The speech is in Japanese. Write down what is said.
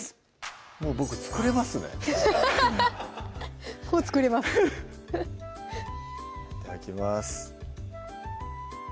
もうボク作れますねもう作れますいただきます